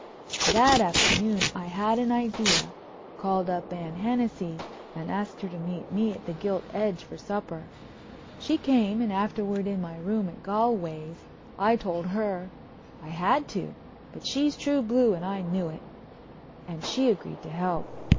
That afternoon I had an idea, called up Anne Hennessey and asked her to meet me at the Gilt Edge for supper. She came and afterward in my room at Galway's I told her—I had to, but she's true blue and I knew it—and she agreed to help.